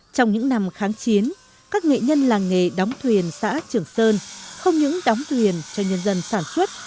trong những năm kháng chiến các nghệ nhân làng nghề đóng thuyền xã trường sơn không những đóng thuyền cho nhân dân sản xuất